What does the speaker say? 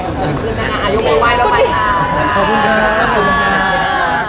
อายุประวัยเราใหม่แล้ว